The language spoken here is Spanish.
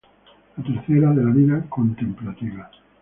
La tercera, de la vida contemplativa.